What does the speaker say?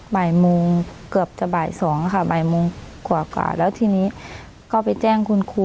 บ่ายโมงเกือบจะบ่าย๒ค่ะบ่ายโมงกว่าแล้วทีนี้ก็ไปแจ้งคุณครู